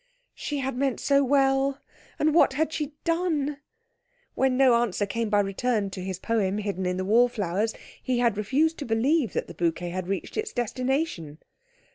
She had meant so well, and what had she done? When no answer came by return to his poem hidden in the wallflowers, he had refused to believe that the bouquet had reached its destination.